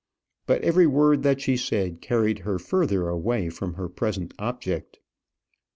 But every word that she said carried her further away from her present object.